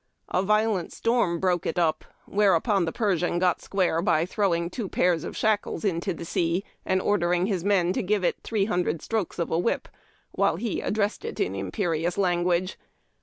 A violent storm broke it up, whereupon the Persian "got square" by throwing two pairs of shackles into the sea and ordering his men to give it three hundred strokes of a whip, while he addressed it in imperious language.